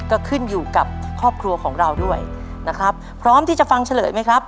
ก็ขึ้นอยู่กับครอบครัวของเราด้วยนะครับพร้อมที่จะฟังเฉลยไหมครับ